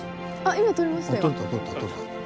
今撮れましたよ。